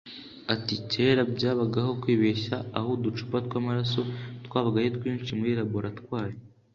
Ati “Kera byabagaho kwibeshya aho uducupa tw’amaraso twabaga ari twinshi muri laboratwari